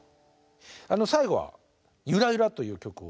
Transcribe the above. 最後は「ゆらゆら」という曲を。